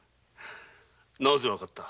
なぜわかった？